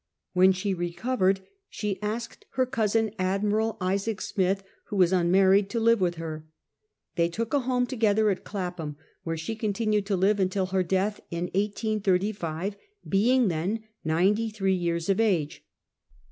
When she re covered she asked her cousin. Admiral Isaac Smith, who was unmarried, to live with her. They took a house together at Clapham, where she continued to live until her death in 1835, being then ninety three years of age.